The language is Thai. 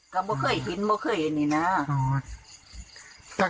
ก็ไม่เคยเห็นไม่เคยเห็นอีกนะ